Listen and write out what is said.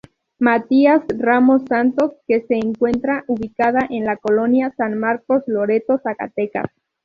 Matias Ramos Santos que se encuentra ubicada en la colonia San Marcos, Loreto, Zacatecas.